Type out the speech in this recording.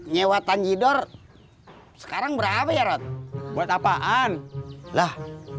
nyewa tanjidor sekarang berapa ya rot buat apaan lah